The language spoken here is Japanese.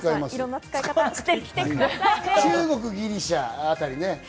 中国、ギリシャあたりね。